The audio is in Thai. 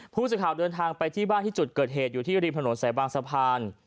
ผู้สื่อข่าวเดินทางไปที่บ้านที่จุดเกิดเหตุอยู่ที่ริมถนนสายบางสะพาน